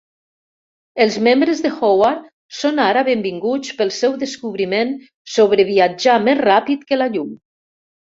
Els membres de Howard són ara benvinguts pel seu descobriment sobre viatjar més ràpid que la llum.